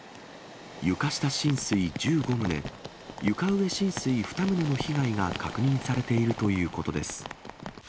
床下浸水１５棟、床上浸水２棟の被害が確認されているということです。